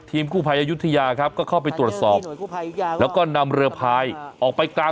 กู้ภัยอายุทยาครับก็เข้าไปตรวจสอบแล้วก็นำเรือพายออกไปกลาง